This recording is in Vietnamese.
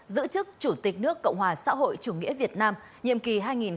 giữ chức chủ tịch nước cộng hòa xã hội chủ nghĩa việt nam nhiệm kỳ hai nghìn hai mươi một hai nghìn hai mươi sáu